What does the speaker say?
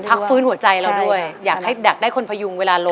พักฟื้นหัวใจเราด้วยอยากให้อยากได้คนพยุงเวลาลง